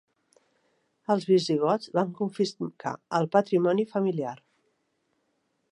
Els visigots van confiscar el patrimoni familiar.